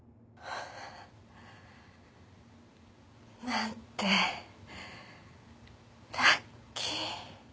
なんてラッキー。